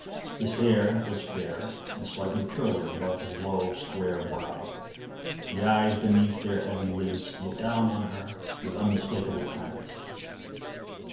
His hair was fair and slightly curly above his low, square brow; the eyes beneath their heavy lids looked down on her with unmistakable kindness.